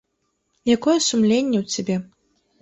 Якое сумленне ў цябе?